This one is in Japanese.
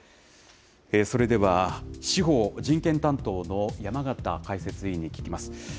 それでは司法・人権担当の山形解説委員に聞きます。